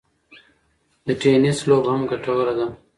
د ټینېس لوبه هم ګټوره ده.